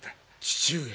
父上。